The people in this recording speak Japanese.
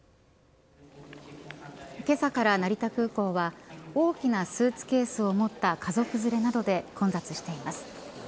けさから、成田空港は大きなスーツケースを持った家族連れなどで混雑しています。